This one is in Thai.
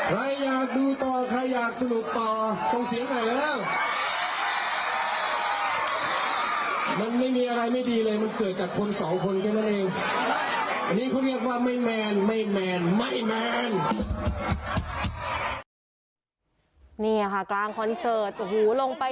หูลงไปตรงนี้